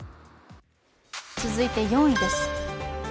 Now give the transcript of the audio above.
続いて４位です。